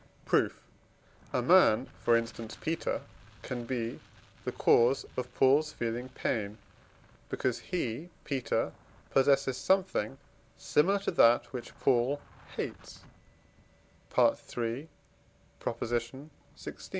Proof. A man, for instance Peter, can be the cause of Paul's feeling pain, because he (Peter) possesses something similar to that which Paul hates (III. xvi.)